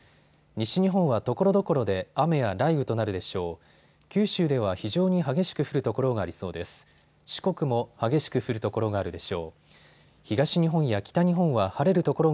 西日本はところどころで雨や雷雨となるでしょう。